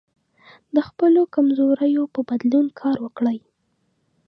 د خپلو کمزوریو په بدلون کار وکړئ.